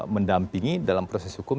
mendampingi dalam proses hukum